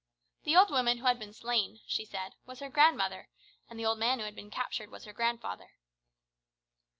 The old woman who had been slain, she said, was her grandmother, and the old man who had been captured was her grandfather.